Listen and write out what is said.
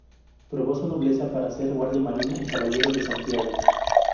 Probó su nobleza para ser guardia marina y caballero de Santiago.